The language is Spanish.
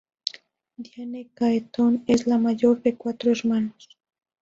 Diane Keaton es la mayor de cuatro hermanos.